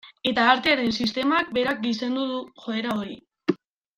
Eta artearen sistemak berak gizendu du joera hori.